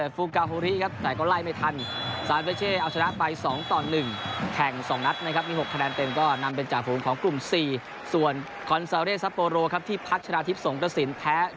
ฟูกาฮูรีครับแต่ก็ไล่ไม่ทัน